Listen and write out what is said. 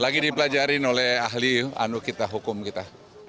lagi dipelajarin oleh ahli anu kita hukum kita